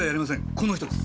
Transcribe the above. この人です！